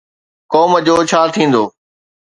قوم جو ڇا ٿيندو؟